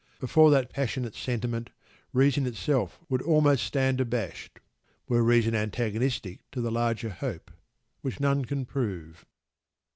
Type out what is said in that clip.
Before that passionate sentiment reason itself would almost stand abashed: were reason antagonistic to the "larger hope" which none can prove.